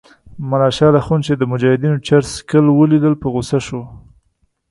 ملا شال اخند چې د مجاهدینو چرس څکول ولیدل په غوسه شو.